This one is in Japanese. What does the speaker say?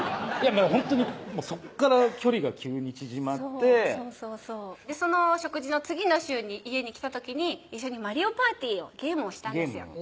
ほんとにそこから距離が急に縮まってその食事の次の週に家に来た時に一緒に「マリオパーティ」をゲームをしたんですよ